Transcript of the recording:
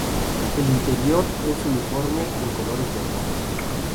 El interior es uniforme en colores verdosos.